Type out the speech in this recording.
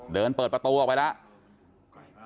เปิดประตูออกไปแล้ว